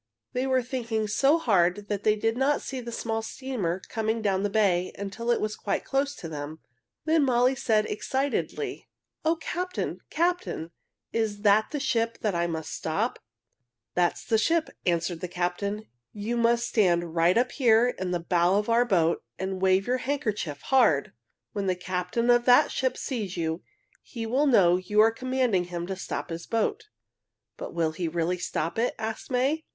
They were thinking so hard they did not see a small steamer coming down the bay, until it was quite close to them. Then Molly said excitedly, "O Captain! Captain! Is that the ship that I must stop?" [Illustration: Molly stood bravely waving her handkerchief] "That's the ship," answered the captain. "You must stand right up here in the bow of our boat and wave your handkerchief hard. When the captain of that ship sees you, he will know you are commanding him to stop his boat." "But will he really stop it?" asked May.